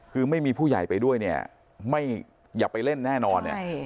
คือไม่มีผู้ใหญ่ไปด้วยเนี่ยไม่อยากไปเล่นแน่นอนเนี่ย